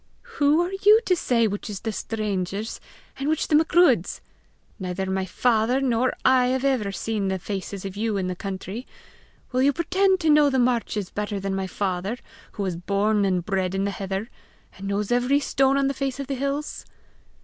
"Who are you to say which is the stranger's, and which the Macruadh's? Neither my father nor I have ever seen the faces of you in the country! Will you pretend to know the marches better than my father, who was born and bred in the heather, and knows every stone on the face of the hills?"